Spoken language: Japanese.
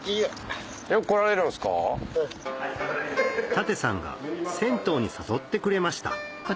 舘さんが銭湯に誘ってくれました